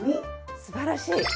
すばらしい。